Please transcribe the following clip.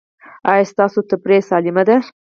ایا ستاسو تفریح سالمه ده؟